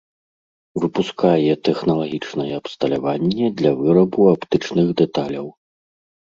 Выпускае тэхналагічнае абсталяванне для вырабу аптычных дэталяў.